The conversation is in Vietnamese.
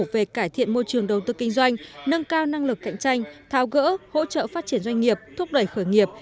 về cải thiện môi trường đầu tư kinh doanh nâng cao năng lực cạnh tranh tháo gỡ hỗ trợ phát triển doanh nghiệp thúc đẩy khởi nghiệp